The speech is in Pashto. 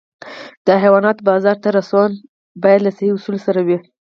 د حیواناتو بازار ته رسونه باید له صحي اصولو سره وي.